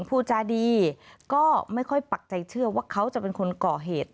พูดจาดีก็ไม่ค่อยปักใจเชื่อว่าเขาจะเป็นคนก่อเหตุ